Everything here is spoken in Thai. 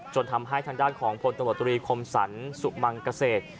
จนทำให้ทางด้านของพลตลโครมศรรย์สุภัณฑ์กเกษตร